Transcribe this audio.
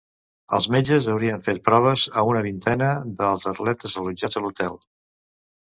Els metges haurien fet proves a una vintena dels atletes allotjats a l’hotel.